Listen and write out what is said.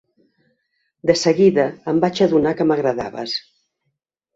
De seguida em vaig adonar que m'agradaves.